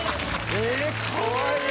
かわいい！